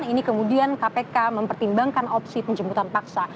ini kemudian kpk mempertimbangkan opsi penjemputan paksa